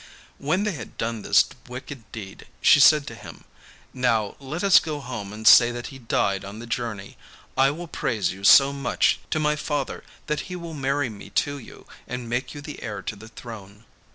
When they had done this wicked deed, she said to him, 'Now let us go home and say that he died on the journey. I will praise you so much to my father that he will marry me to you and make you the heir to the throne.